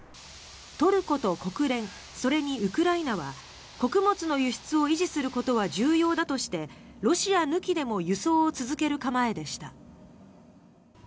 トルコと国連それにウクライナは穀物の輸出を維持することは重要だとしてロシア抜きでも輸送を続ける構えでした。